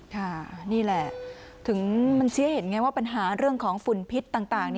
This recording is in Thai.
ค่ะนี่แหละถึงมันชี้ให้เห็นไงว่าปัญหาเรื่องของฝุ่นพิษต่าง